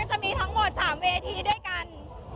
จะมีทั้งหมด๓เวทีด้วยกัน